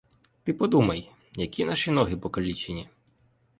Ти подумай, які наші ноги покалічені.